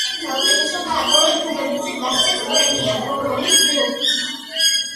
საუკეთესო მხატვრული ფილმებისთვის გასცემს პრემია „ბროლის გლობუსს“.